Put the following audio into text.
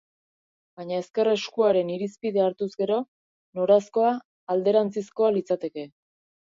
Baina ezker-eskuaren irizpidea hartuz gero, noranzkoa alderantzizkoa litzateke.